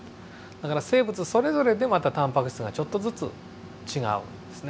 だから生物それぞれでまたタンパク質がちょっとずつ違うんですね。